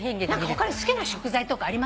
他に好きな食材とかありますか？